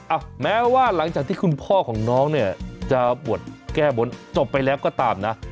อ่ะแม้ว่าหลังจากที่คุณพ่อของน้องเนี่ยจะบวชแก้บนจบไปแล้วก็ตามนะ